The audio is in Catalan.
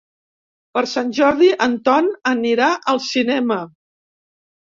Per Sant Jordi en Ton anirà al cinema.